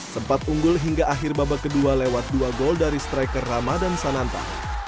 sempat unggul hingga akhir babak kedua lewat dua gol dari striker ramadan sananta